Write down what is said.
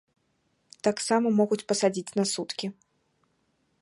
Таксама могуць пасадзіць на суткі.